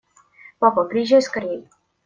Папа, приезжай скорей!